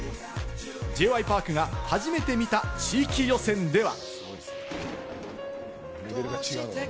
Ｊ．Ｙ．Ｐａｒｋが初めて見た、地域予選では。